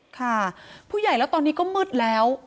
ค่ะผู้ใหญ่แล้วตอนนี้ก็มืดแล้ว